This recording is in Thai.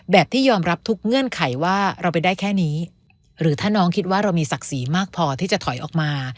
ที่ยอมรับทุกเงื่อนไขว่าเราไปได้แค่นี้หรือถ้าน้องคิดว่าเรามีศักดิ์ศรีมากพอที่จะถอยออกมา